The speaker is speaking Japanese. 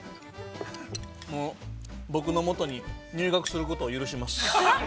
◆もう、僕のもとに、入学することを許します。